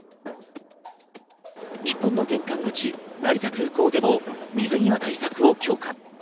日本の玄関口、成田空港でも水際対策を強化。